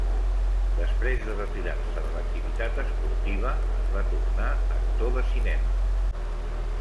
Després de retirar-se de l'activitat esportiva, es va tornar actor de cinema.